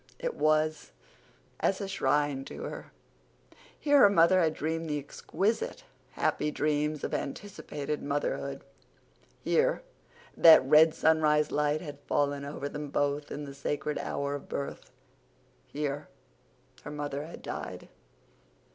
It was as a shrine to her. Here her mother had dreamed the exquisite, happy dreams of anticipated motherhood; here that red sunrise light had fallen over them both in the sacred hour of birth; here her mother had died.